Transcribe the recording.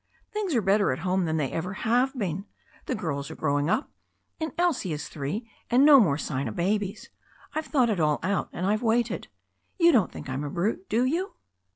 Things are better at hc^ne than they have ever bcea— the girls are growing up and Elsie is three and no more sign of babies. I've thought it all out, and I've waited You don't think I'm a brute, do you?"